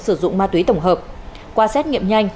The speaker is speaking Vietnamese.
sử dụng ma túy tổng hợp qua xét nghiệm nhanh